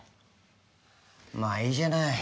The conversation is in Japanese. まあいいじゃない。